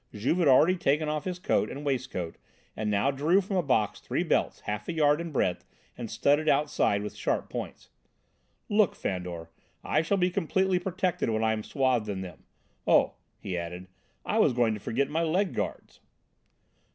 Juve had already taken off his coat and waistcoat and now drew from a box three belts half a yard in breadth and studded outside with sharp points. "Look, Fandor! I shall be completely protected when I am swathed in them. Oh," he added, "I was going to forget my leg guards!"